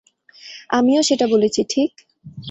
আমিও সেটা বলেছি, ঠিক?